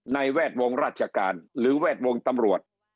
แวดวงราชการหรือแวดวงตำรวจ